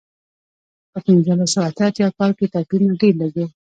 په پنځلس سوه اته اتیا کال کې توپیرونه ډېر لږ و.